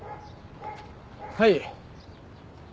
はい。